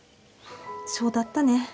そうだったね。